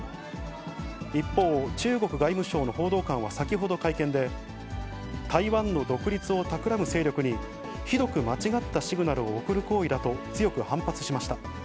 一方、中国外務省の報道官は先ほど会見で、台湾の独立をたくらむ勢力にひどく間違ったシグナルを送る行為だと強く反発しました。